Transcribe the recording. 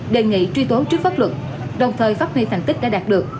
đề nghị truy tố trước pháp luật đồng thời phát huy thành tích đã đạt được